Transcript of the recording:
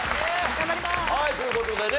はいという事でね